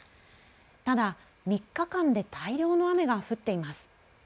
ただ３日間で大量の雨が降っています。